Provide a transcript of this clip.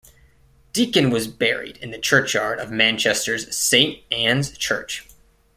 Deacon was buried in the churchyard of Manchester's Saint Ann's church.